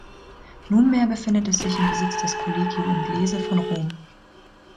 Nunmehr befindet es sich im Besitz des Collegio Inglese von Rom.